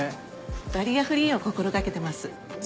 バリアフリーを心掛けてます。